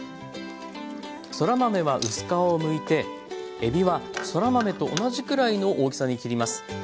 そら豆は薄皮をむいてえびはそら豆と同じくらいの大きさに切ります。